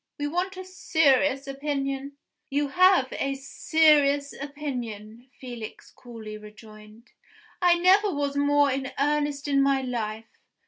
We want a serious opinion." "You have a serious opinion," Felix coolly rejoined. "I never was more in earnest in my life.